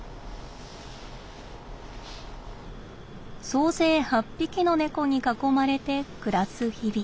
総勢８匹の猫に囲まれて暮らす日々。